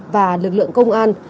và lực lượng công an